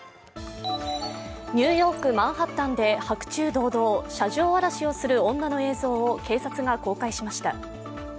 ニューヨーク・マンハッタンで白昼堂々車上荒らしをする女の映像を警察が公開しました。